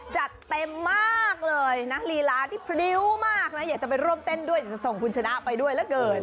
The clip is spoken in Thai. จัดเต็มมากเลยนะลีลาที่พริ้วมากนะอยากจะไปร่วมเต้นด้วยจะส่งคุณชนะไปด้วยเหลือเกิน